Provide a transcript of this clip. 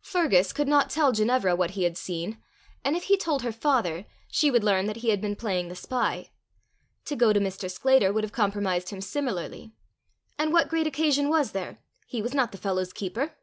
Fergus could not tell Ginevra what he had seen; and if he told her father, she would learn that he had been playing the spy. To go to Mr. Sclater would have compromised him similarly. And what great occasion was there? He was not the fellow's keeper!